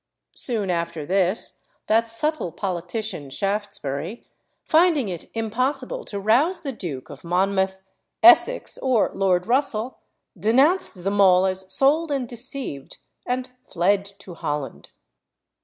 Soon after this, that subtle politician, Shaftesbury, finding it impossible to rouse the Duke of Monmouth, Essex, or Lord Russell, denounced them all as sold and deceived, and fled to Holland.